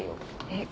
えっ？